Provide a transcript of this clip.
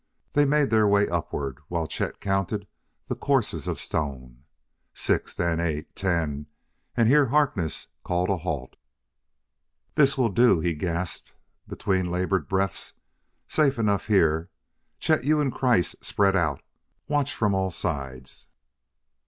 They made their way upward while Chet counted the courses of stone. Six, then eight ten and here Harkness called a halt. "This will do," he gasped between labored breaths. "Safe enough here. Chet, you and Kreiss spread out watch from all sides."